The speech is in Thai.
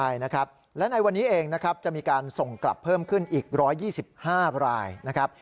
ใช่นะครับและในวันนี้เองนะครับจะมีการส่งกลับเพิ่มขึ้นอีก๑๒๕รายนะครับ